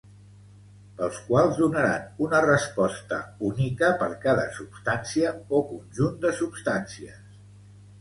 Pels quals donaran una resposta única per cada substància o conjunt de substàncies